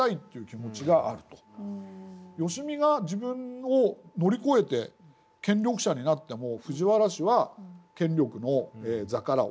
良相が自分を乗り越えて権力者になっても藤原氏は権力の座から降りる必要はない。